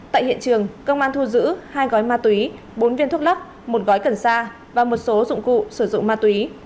tại hiện trường công an thu giữ hai gói ma túy bốn viên thuốc lắc một gói cần sa và một số dụng cụ sử dụng ma túy